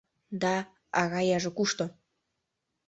Да, а Раяже кушто?